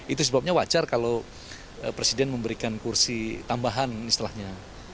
itu sebabnya wajar kalau presiden memberikan kursi tambahan istilahnya